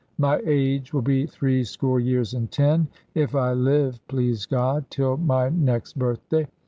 My age will be three score years and ten, if I live (please God) till my next birthday.